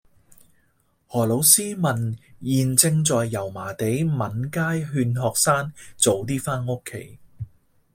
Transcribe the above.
何老師問現正在油麻地閩街勸學生早啲返屋企